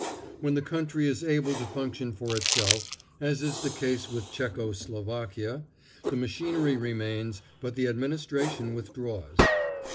When the country is able to function for itself, as is the case with Czecho Slovakia, the machinery remains but the Administration withdraws.